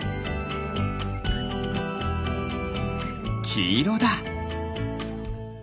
きいろだ。